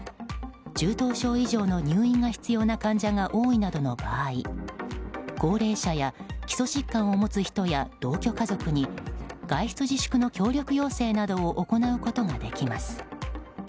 中等症以上の入院が必要な患者が多いなどの場合高齢者や基礎疾患を持つ人や同居家族に外出自粛の協力要請などを行うことができます。